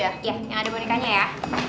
ya yang ada bonekanya ya